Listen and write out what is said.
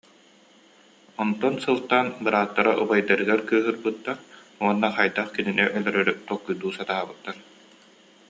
Онтон сылтаан бырааттара убайдарыгар кыыһырбыттар уонна хайдах кинини өлөрөрү толкуйдуу сатаабыттар